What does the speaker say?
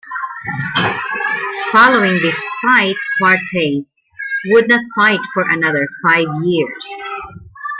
Following this fight, Quartey would not fight for another five years.